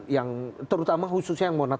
yang terutama khususnya yang